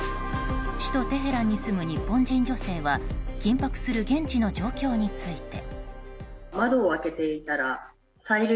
首都テヘランに住む日本人女性は緊迫する現地の状況について。